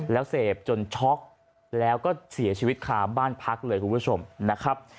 แล้วเสพจนช็อกแล้วก็เสียชีวิตคาบ้านพักเลยคุณผู้ชมนะครับ